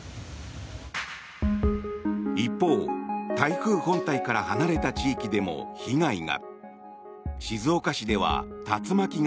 一方、台風本体から離れた地域でも被害が。